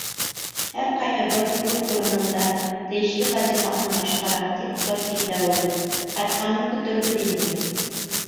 Һәр ҡайһыбыҙ үҙ урынында тейешле вазифаһын башҡара, тип ҡырт киҫә ул. Ҡайтҡанын көтөрбөҙ инде...